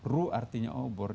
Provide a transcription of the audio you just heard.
ru artinya obor